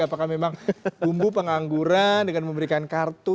apakah memang bumbu pengangguran dengan memberikan kartu